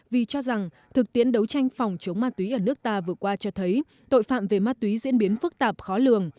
vì cho rằng thực tiễn đấu tranh phòng chống ma túy ở nước ta vừa qua cho thấy tội phạm về ma túy diễn biến phức tạp khó lường